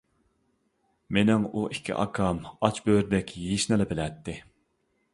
مېنىڭ ئۇ ئىككى ئاكام ئاچ بۆرىدەك يېيىشنىلا بىلەتتى.